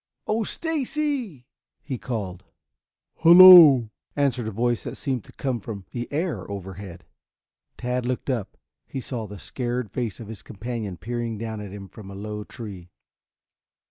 "Oh, Stacy!" he called. "Hello," answered a voice that seemed to come from the air overhead. Tad looked up. He saw the scared face of his companion peering down at him from a low tree.